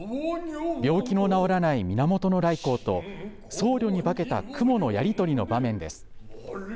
病気の治らない源頼光と、僧侶に化けた蜘蛛のやり取りの場面です。